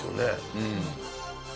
うん。